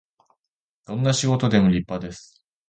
どんな仕事でも立派です